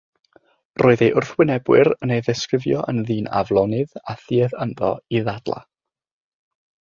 Roedd ei wrthwynebwyr yn ei ddisgrifio yn ddyn aflonydd â thuedd ynddo i ddadlau.